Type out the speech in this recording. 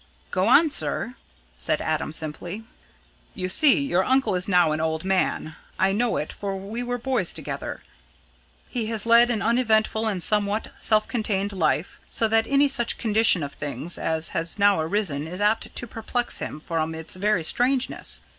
"Go on, sir!" said Adam simply. "You see, your uncle is now an old man. I know it, for we were boys together. He has led an uneventful and somewhat self contained life, so that any such condition of things as has now arisen is apt to perplex him from its very strangeness.